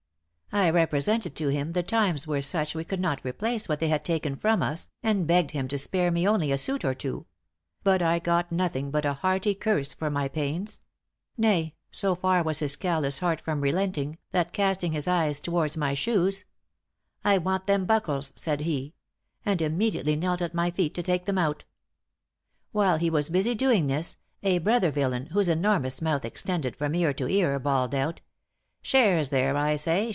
I represented to him the times were such we could not replace what they had taken from us, and begged him to spare me only a suit or two: but I got nothing but a hearty curse for my pains; nay, so far was his callous heart from relenting, that casting his eyes towards my shoes, 'I want them buckles," said he; and immediately knelt at my feet to take them out. While he was busy doing this, a brother villain, whose enormous mouth extended from ear to ear, bawled out, 'Shares there, I say!